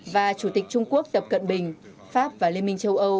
và chủ tịch trung quốc tập cận bình pháp và liên minh châu âu